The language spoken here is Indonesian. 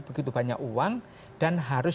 begitu banyak uang dan harus